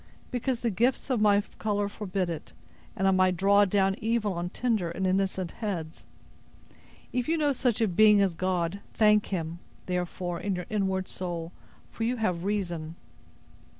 —because the gifts of my color forbid it, and I might draw down evil on tender and innocent heads. If you know such a being as God, thank Him, therefore, in your inward soul; for you have reason!"